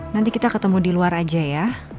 nanti kita ketemu di luar aja ya